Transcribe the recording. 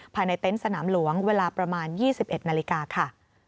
เต็นต์สนามหลวงเวลาประมาณ๒๑นาฬิกาค่ะ